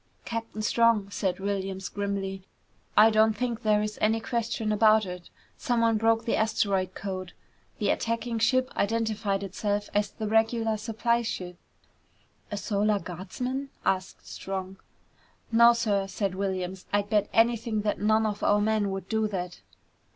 "Captain Strong," said Williams grimly, "I don't think there is any question about it. Someone broke the asteroid code. The attacking ship identified itself as the regular supply ship." "A Solar Guardsman?" asked Strong. "No, sir," said Williams. "I'd bet anything that none of our men would do that!"